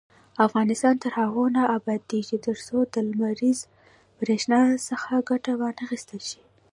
افغانستان تر هغو نه ابادیږي، ترڅو د لمریزې بریښنا څخه ګټه وانخیستل شي.